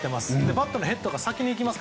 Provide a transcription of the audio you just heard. バットのヘッドが先に行きます。